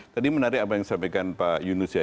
tadi menarik apa yang disampaikan pak yunus ya